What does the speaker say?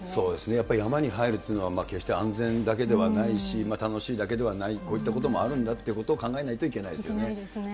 やっぱり山に入るというのは、決して安全だけではないし、楽しいだけではない、こういったこともあるんだということを考えないといけないですよいけないですね。